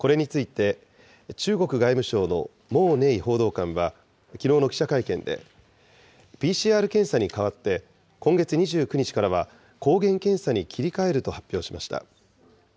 これについて、中国外務省の毛寧報道官は、きのうの記者会見で、ＰＣＲ検査に代わって、今月２９日からは抗原検査に切り替えると発表しました。